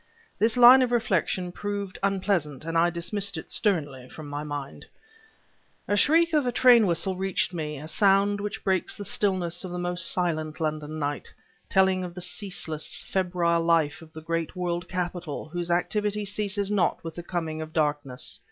This line of reflection proved unpleasant, and I dismissed it sternly from my mind. The shriek of a train whistle reached me, a sound which breaks the stillness of the most silent London night, telling of the ceaseless, febrile life of the great world capital whose activity ceases not with the coming of darkness.